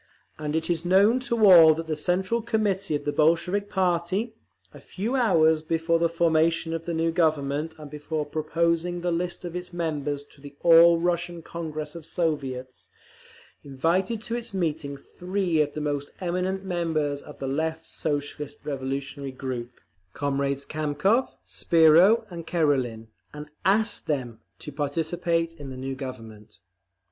And it is known to all that the Central Committee of the Bolshevik party, a few hours before the formation of the new Government and before proposing the list of its members to the All Russian Congress of Soviets, invited to its meeting three of the most eminent members of the Left Socialist Revolutionary group, comrades Kamkov, Spiro and Karelin, and ASKED THEM to participate in the new Government.